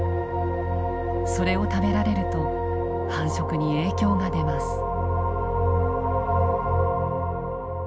それを食べられると繁殖に影響が出ます。